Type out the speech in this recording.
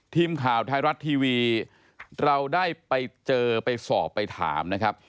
ทีมข่าวไทยรัฐทีวีเราได้ไปเจอไปสอบไปถามนะครับ